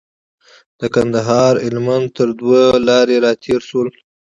د کندهار هلمند تر دوه لارې راتېر شولو.